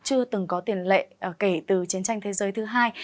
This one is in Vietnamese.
chưa từng có tiền lệ kể từ chiến tranh thế giới thứ hai